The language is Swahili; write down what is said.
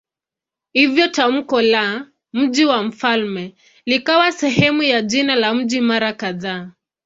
Hivyo tamko la "mji wa mfalme" likawa sehemu ya jina la mji mara kadhaa.